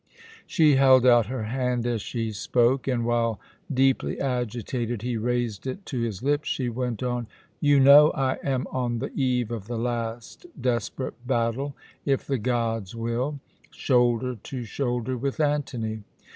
'" She held out her hand as she spoke, and while, deeply agitated, he raised it to his lips, she went on: "You know I am on the eve of the last desperate battle if the gods will shoulder to shoulder with Antony.